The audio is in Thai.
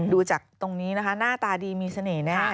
ดูจากตรงนี้นะคะหน้าตาดีมีเสน่ห์แน่